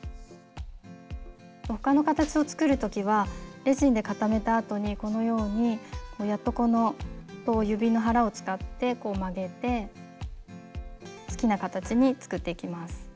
他の形を作る時はレジンで固めた後にこのようにやっとこと指の腹を使って曲げて好きな形に作っていきます。